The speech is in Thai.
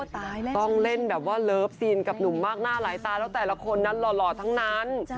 ตายแล้วต้องเล่นแบบว่าเลิฟซีนกับหนุ่มมากหน้าหลายตาแล้วแต่ละคนนั้นหล่อทั้งนั้น